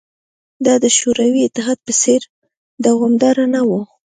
دا د شوروي اتحاد په څېر دوامداره نه وه